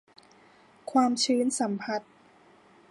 ความชื้นสัมพัทธ์